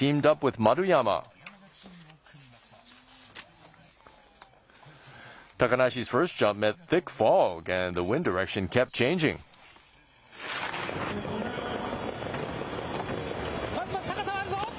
まずまず高さはあるぞ。